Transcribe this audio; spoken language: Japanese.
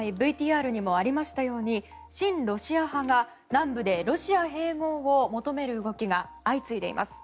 ＶＴＲにもありましたように親ロシア派が南部でロシア併合を求める動きが相次いでいます。